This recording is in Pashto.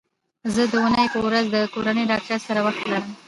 زه د دونۍ په ورځ د کورني ډاکټر سره وخت لرم